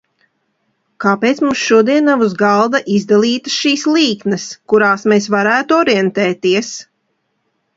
Kāpēc mums šodien nav uz galda izdalītas šīs līknes, kurās mēs varētu orientēties?